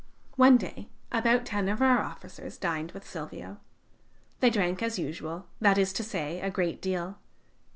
One day, about ten of our officers dined with Silvio. They drank as usual, that is to say, a great deal.